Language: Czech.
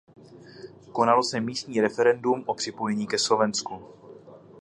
Konalo se místní referendum o připojení ke Slovensku.